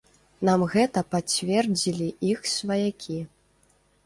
Нам гэта пацвердзілі іх сваякі.